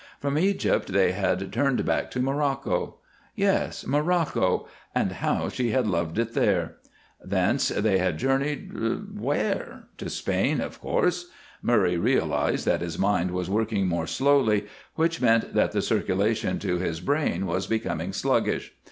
From Egypt they had turned back to Morocco. Yes, Morocco, and how she had loved it there. Thence they had journeyed where? To Spain, of course. Murray realized that his mind was working more slowly, which meant that the circulation to his brain was becoming sluggish.